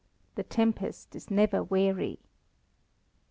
The tempest is never weary.